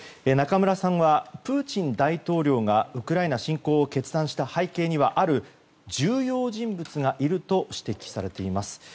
中村さんはプーチン大統領がウクライナ侵攻を決断した背景にはある重要人物がいると指摘されています。